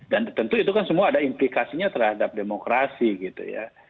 dan tentu itu kan semua ada implikasinya terhadap demokrasi gitu ya